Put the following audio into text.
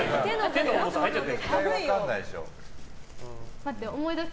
手の重さ入っちゃってる。